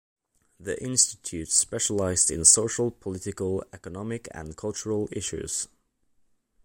The Institute specialised in social, political, economic and cultural issues.